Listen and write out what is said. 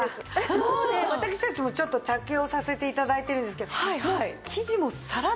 もうね私たちもちょっと着用させて頂いてるんですけど。